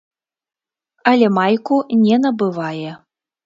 Але майку не набывае.